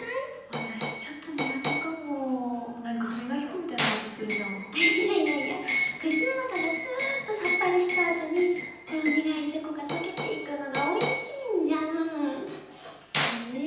私ちょっと苦手かも何か歯磨き粉みたいな味するじゃんいやいやいや口の中がスーッとさっぱりしたあとにほろ苦いチョコが溶けていくのがおいしいんじゃんえ